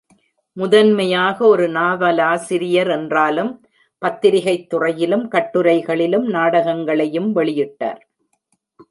முதன்மையாக ஒரு நாவலாசிரியர் என்றாலும் பத்திரிகைத் துறையிலும், கட்டுரைகளிலும், நாடகங்களையும் வெளியிட்டார்.